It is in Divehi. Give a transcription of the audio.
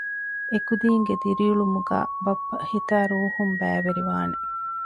އެކުދީންގެ ދިރިއުޅުމުގައި ބައްޕަ ހިތާއި ރޫހުން ބައިވެރިވާނެ